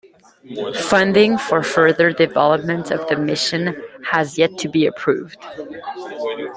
Funding for further development of the mission has yet to be approved.